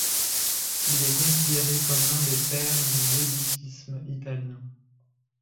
Il est considéré comme l'un des pères du védutisme italien.